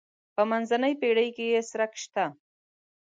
په منځنۍ پېړۍ کې یې څرک شته.